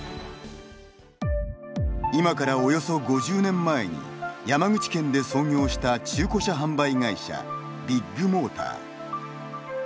今からおよそ５０年前に山口県で創業した中古車販売会社ビッグモーター。